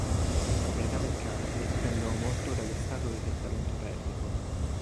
Le proprietà meccaniche dipendono molto dallo stato di trattamento termico.